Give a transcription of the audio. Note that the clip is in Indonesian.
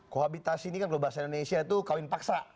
kohabitasi ini kan kalau bahasa indonesia itu kawin paksa